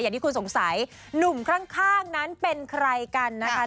อย่างที่คุณสงสัยหนุ่มข้างนั้นเป็นใครกันนะคะ